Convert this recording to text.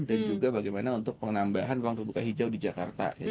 dan juga bagaimana untuk penambahan ruang terbuka hijau di jakarta